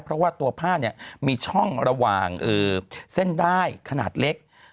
เพราะว่าตัวผ้าเนี่ยมีช่องระหว่างเส้นได้ขนาดเล็ก